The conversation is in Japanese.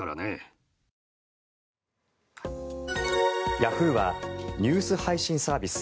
ヤフーはニュース配信サービス